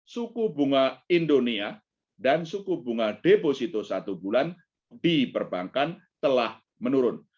suku bunga indonesia dan suku bunga deposito satu bulan di perbankan telah menurun